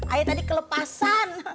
ayah tadi kelepasan